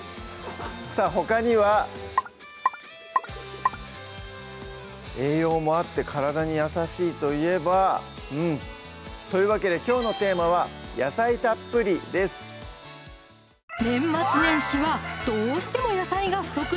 さぁほかには栄養もあって体に優しいといえばうんというわけできょうのテーマは「野菜たっぷり」です気になりますよね